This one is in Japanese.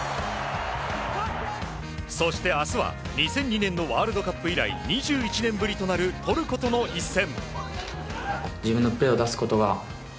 そして、明日は２００２年のワールドカップ以来２１年ぶりとなるトルコとの一戦。